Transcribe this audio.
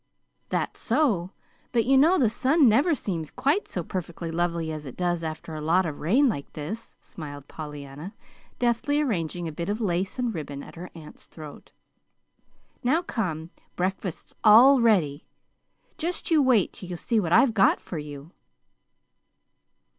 "That's so but you know the sun never seems quite so perfectly lovely as it does after a lot of rain like this," smiled Pollyanna, deftly arranging a bit of lace and ribbon at her aunt's throat. "Now come. Breakfast's all ready. Just you wait till you see what I've got for you."